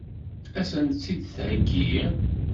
Ad sent-t-id-theggi?